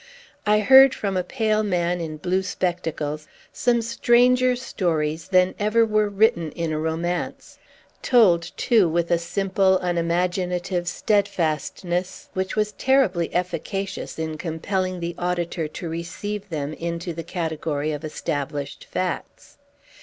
I heard, from a pale man in blue spectacles, some stranger stories than ever were written in a romance; told, too, with a simple, unimaginative steadfastness, which was terribly efficacious in compelling the auditor to receive them into the category of established facts.